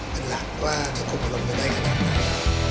เป็นหลักว่าจะคุมอารมณ์ที่ได้ขนาดไหน